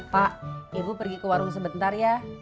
pak ibu pergi ke warung sebentar ya